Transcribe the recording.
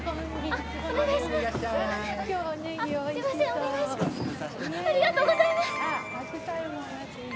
ありがとうございます！